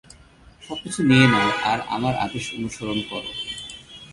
সবকিছু নিয়ে নাও আর আমার আদেশ অনুসরণ করো।